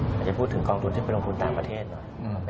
อาจจะพูดถึงกองทุนที่ไปลงทุนต่างประเทศหน่อย